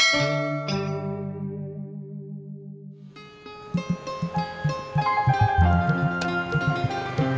halus ada adrian